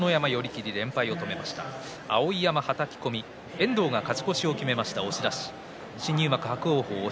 遠藤が勝ち越しを決めました。